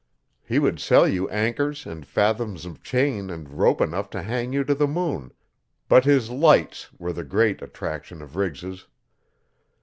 He would sell you anchors and fathoms of chain and rope enough to hang you to the moon but his 'lights' were the great attraction of Riggs's.